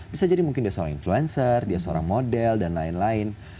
bisa jadi mungkin dia seorang influencer dia seorang model dan lain lain